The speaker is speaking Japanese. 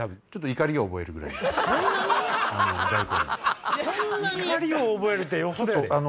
怒りを覚えるってよほど。